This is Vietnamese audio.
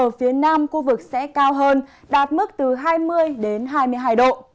ở phía nam khu vực sẽ cao hơn đạt mức từ hai mươi hai mươi hai độ